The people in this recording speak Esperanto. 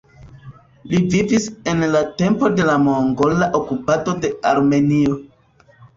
Li vivis en la tempo de la mongola okupado de Armenio.